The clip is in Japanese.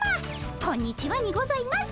こんにちはにございます。